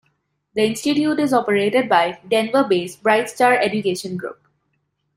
The institute is operated by Denver-based BrightStar Education Group.